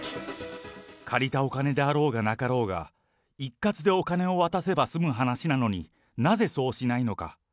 借りたお金であろうがなかろうが、一括でお金を渡せば済む話なのに、なぜそうしないのか。